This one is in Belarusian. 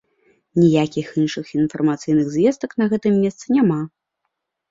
Ніякіх іншых інфармацыйных звестак на гэтым месцы няма.